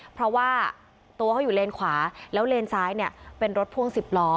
เพราะว่าตัวเขาอยู่เลนขวาแล้วเลนซ้ายเนี่ยเป็นรถพ่วง๑๐ล้อ